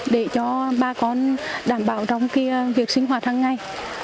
để cho bà con đảm bảo trong việc sinh hoạt hàng ngày